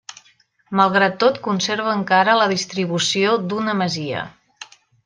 Malgrat tot conserva encara la distribució d'una masia.